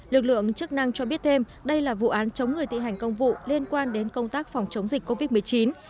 lực lượng chức năng cho biết thêm đây là vụ án chống người tị hành công vụ liên quan đến công tác phòng chống dịch covid một mươi chín